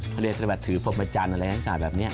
เขาเรียกว่าถือพบจรอะไรต่างแบบนี้